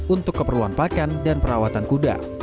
untuk keperluan pakan dan perawatan kuda